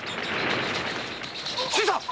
新さん！